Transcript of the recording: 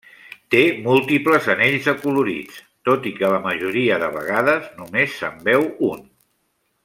Té múltiples anells acolorits, tot i que la majoria de vegades només se'n veu un.